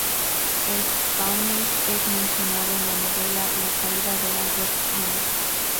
El panel es mencionado en la novela "La Caída", de Albert Camus.